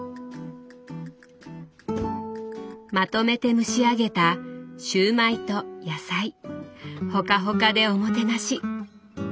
まとめて蒸し上げたシューマイと野菜ほかほかでおもてなし。